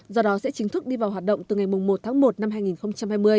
do đó sẽ chính thức đi vào hoạt động từ ngày một tháng một năm hai nghìn hai mươi